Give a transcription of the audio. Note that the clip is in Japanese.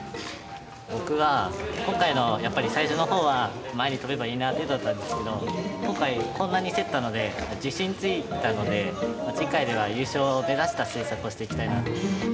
僕は今回のやっぱり最初のほうは前に飛べばいいな程度だったんですけど今回こんなに競ったので自信ついたので次回では優勝を目指した製作をしていきたいなと。